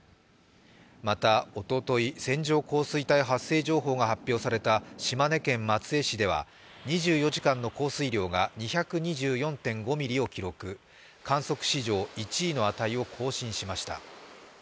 また、おととい、線状降水帯発生情報が発表された島根県松江市では２４時間の降水量が２２４．５ミリを記録観測史上１位の値を更新しました。